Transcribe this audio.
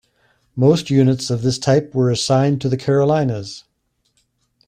Most units of this type were assigned to the Carolinas.